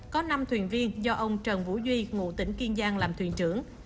có năm thuyền viên do ông trần vũ duy ngụ tỉnh kiên giang làm thuyền trưởng